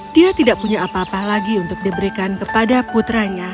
dia tidak punya apa apa lagi untuk diberikan kepada putranya